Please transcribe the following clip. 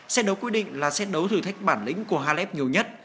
xét đấu quy định là xét đấu thử thách bản lĩnh của halef nhiều nhất